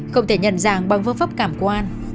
không thể nhận dạng bằng phương pháp cảm quan